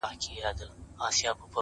• پیغام د ښکلیو کلماتو، استعارو، ,